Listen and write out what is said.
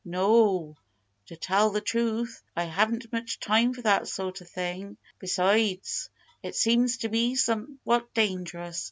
"No! To tell the truth, I haven't much time for that sort of thing. Besides, it seems to me somewhat dangerous.